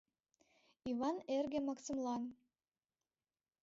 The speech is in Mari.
Иван эрге Максымлан.